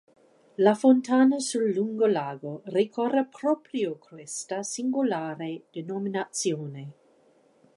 La fontana sul lungolago ricorda proprio questa singolare denominazione.